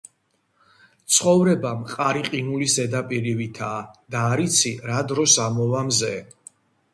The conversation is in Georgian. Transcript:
ცხოვრება მყარი ყინულის ზედაპირივითაა და არ იცი, რა დროს ამოვა მზე.